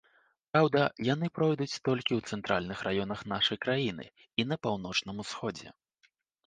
Праўда, яны пройдуць толькі ў цэнтральных раёнах нашай краіны і на паўночным усходзе.